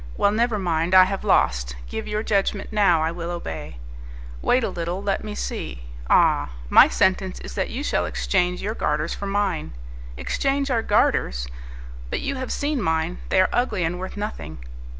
Well, never mind, I have lost. Give your judgment now, I will obey." "Wait a little. Let me see. Ah! my sentence is that you shall exchange your garters for mine." "Exchange our garters! But you have seen mine, they are ugly and worth nothing."